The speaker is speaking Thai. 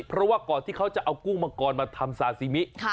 เพราะว่าก่อนที่เขาจะเอากุ้งมังกรมาทำซาซิมิ